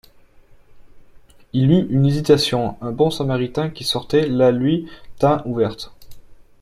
Il eut une hésitation. Un bon samaritain qui sortait la lui tint ouverte.